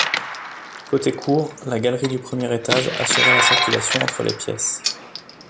Côté cour, la galerie du premier étage assurait la circulation entre les pièces.